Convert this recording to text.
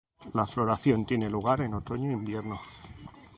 La floración tiene lugar en otoño invierno.